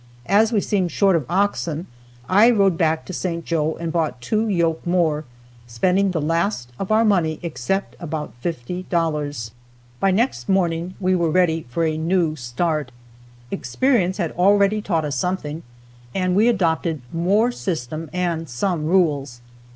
As we seemed short of oxen, I rode back to St. Joe and bought two yoke more, spending the last of our money except about fifty dollars. By next morning we were ready for a new start. Experience had already taught us something, and we adopted more system and some rules.